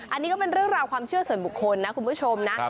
อันนี้ก็เป็นเรื่องราวความเชื่อส่วนบุคคลนะคุณผู้ชมนะ